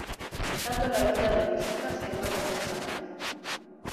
dejando la vida de mis hijas en manos de esa gente.